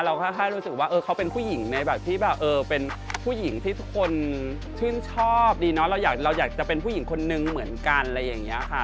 แค่รู้สึกว่าเขาเป็นผู้หญิงในแบบที่แบบเออเป็นผู้หญิงที่ทุกคนชื่นชอบดีเนอะเราอยากจะเป็นผู้หญิงคนนึงเหมือนกันอะไรอย่างนี้ค่ะ